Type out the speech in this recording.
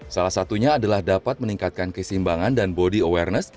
salah satunya adalah dapat meningkatkan kesimbangan dan body awareness